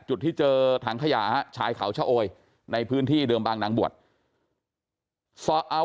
จุดที่เจอถังขยะฮะชายเขาชะโอยในพื้นที่เดิมบางนางบวช